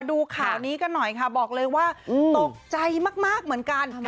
ดูข่าวนี้กันหน่อยค่ะบอกเลยว่าตกใจมากเหมือนกัน